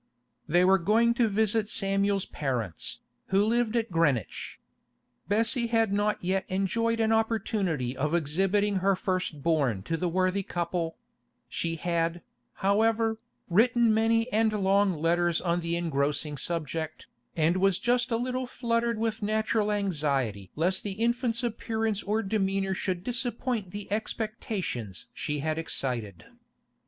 They were going to visit Samuel's parents, who lived at Greenwich. Bessie had not yet enjoyed an opportunity of exhibiting her first born to the worthy couple; she had, however, written many and long letters on the engrossing subject, and was just a little fluttered with natural anxiety lest the infant's appearance or demeanour should disappoint the expectations she had excited.